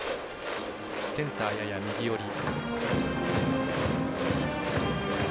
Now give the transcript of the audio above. センター、やや右寄り。